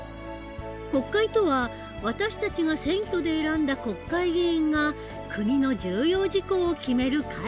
国会とは私たちが選挙で選んだ国会議員が国の重要事項を決める会議の事。